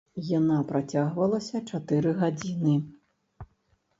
Яна працягвалася чатыры гадзіны.